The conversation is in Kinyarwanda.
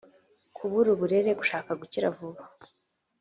kubura uburere, gushaka gukira vuba,